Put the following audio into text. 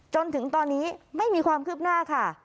จนถึงตอนนี้ไม่มีความคืบหน้าค่ะ